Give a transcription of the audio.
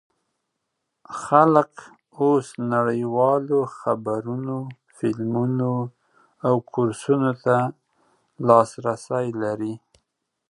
خلک اوس نړیوالو خبرونو، فلمونو او کورسونو ته لاسرسی لري.